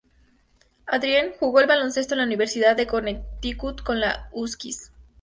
Adrien jugó al baloncesto en la Universidad de Connecticut con los "Huskies".